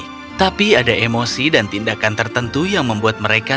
hei lihat itu sepatu manusia